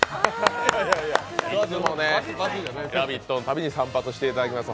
いつも「ラヴィット！」のたびに散髪していただきます。